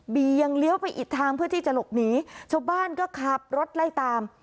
ยังเลี้ยวไปอีกทางเพื่อที่จะหลบหนีชาวบ้านก็ขับรถไล่ตาม